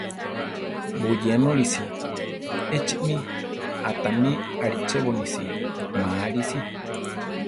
Buyénulisi! Echimi a tami arichebonisi ma alisi.